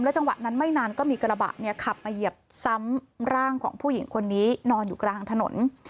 จังหวะนั้นไม่นานก็มีกระบะเนี่ยขับมาเหยียบซ้ำร่างของผู้หญิงคนนี้นอนอยู่กลางถนน